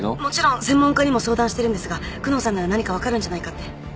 もちろん専門家にも相談してるんですが久能さんなら何か分かるんじゃないかって。